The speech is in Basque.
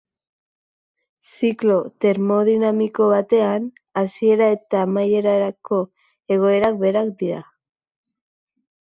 Ziklo termodinamiko batean, hasiera eta amaierako egoerak berak dira.